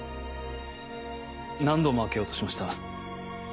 何度も開けようとしました。